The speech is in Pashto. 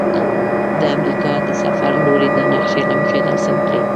د امریکا د سفر لوري د نقشي له مخې رسم کړئ.